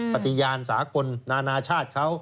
ปฏิญาณสากลนานาชาติเขา